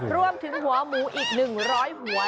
รวมถึงหัวหมูอีก๑๐๐หัว